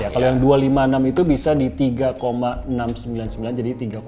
kalau yang dua ratus lima puluh enam itu bisa di tiga enam ratus sembilan puluh sembilan jadi tiga empat